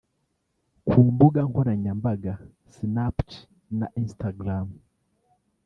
Ku mbuga nkoranyambaga Snapchat na Instagram